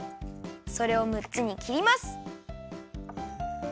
それを６つにきります。